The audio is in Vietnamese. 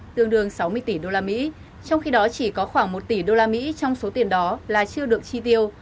tương đương sáu mươi tỷ usd trong khi đó chỉ có khoảng một tỷ usd trong số tiền đó là chưa được chi tiêu